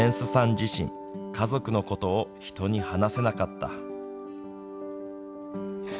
自身家族のことを人に話せなかった。